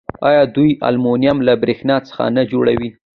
آیا دوی المونیم له بریښنا څخه نه جوړوي؟